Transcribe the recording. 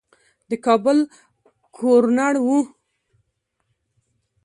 د کابل ګورنر وو.